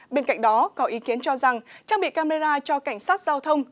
bên cạnh đó có ý kiến cho rằng trang bị camera cho cảnh sát giao thông